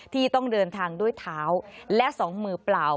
ที่ต้องเดินทางด้วยเท้าและสองมือเปล่า